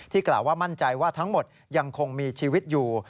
กล่าวว่ามั่นใจว่าทั้งหมดยังคงมีชีวิตอยู่